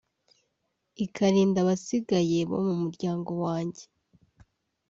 ikarinda abasigaye bo mu muryango wanjye